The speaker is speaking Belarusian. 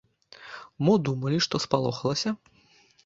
Мо думалі, што спалохалася?